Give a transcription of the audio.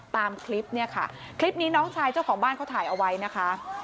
ตามคลิปเนี่ยค่ะคลิปนี้น้องชายเจ้าของบ้านเขาถ่ายเอาไว้นะคะ